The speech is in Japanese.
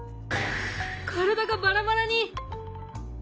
体がバラバラに！